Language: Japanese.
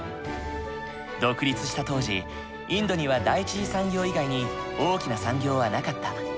独立した当時インドには第一次産業以外に大きな産業はなかった。